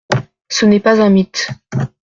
Ce n’est pas un mythe.